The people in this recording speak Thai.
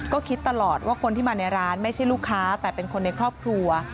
ก็คิดตลอดว่าคนที่มาในร้านไม่ใช่ลูกค้าแต่เป็นคนในครอบครัว